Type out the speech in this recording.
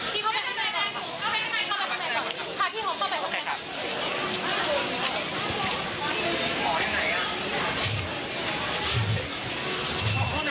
พี่ขอไปร้องข้างในก่อน